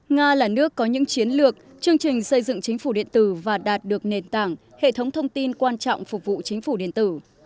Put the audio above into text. nga là nước có những chiến lược chương trình xây dựng chính phủ điện tử và đạt được nền tảng hệ thống thông tin quan trọng phục vụ chính phủ điện tử